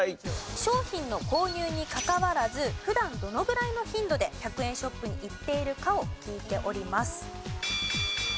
商品の購入にかかわらず普段どのぐらいの頻度で１００円ショップに行っているかを聞いております。